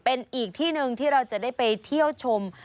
เป็นอีกที่หนึ่งที่เราจะได้ไปเที่ยวชม